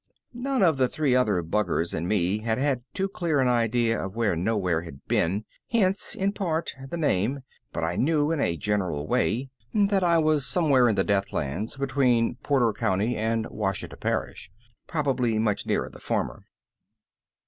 None of the three other buggers and me had had too clear an idea of where Nowhere had been hence, in part, the name but I knew in a general way that I was somewhere in the Deathlands between Porter County and Ouachita Parish, probably much nearer the former.